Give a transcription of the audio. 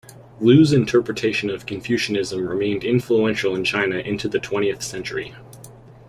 Lu's interpretation of Confucianism remained influential in China into the twentieth century.